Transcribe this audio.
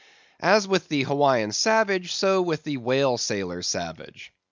As with the Hawaiian savage, so with the white sailor savage.